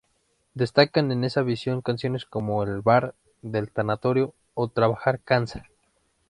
Destacan en esa visión canciones como "El bar del tanatorio" o "Trabajar cansa".